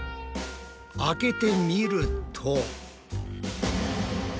開けてみると。